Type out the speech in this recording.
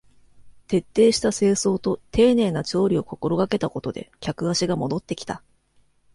徹底した清掃と丁寧な調理を心がけたことで客足が戻ってきた